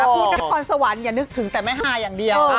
พูดนครสวรรค์อย่านึกถึงแต่แม่ฮายอย่างเดียว